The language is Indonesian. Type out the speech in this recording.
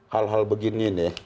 hal hal begini nih